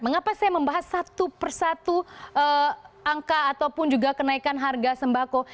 mengapa saya membahas satu persatu angka ataupun juga kenaikan harga sembako